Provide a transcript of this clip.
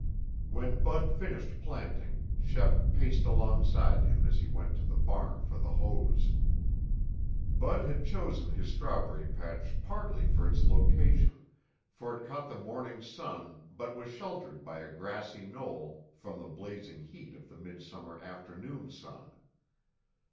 When Bud finished planting, Shep paced alongside him as he went to the barn for the hose. Bud had chosen his strawberry patch partly for its location, for it caught the morning sun but was sheltered by a grassy knoll from the blazing heat of the midsummer afternoon sun.